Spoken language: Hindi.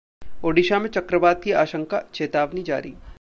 ओडिशा में चक्रवात की आशंका, चेतावनी जारी